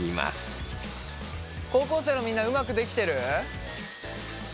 高校生のみんなうまくできてる？